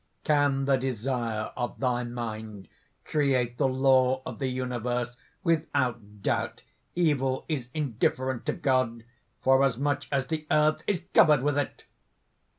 "Can the desire of thy mind create the law of the universe? Without doubt evil is indifferent to God, forasmuch as the Earth is covered with it!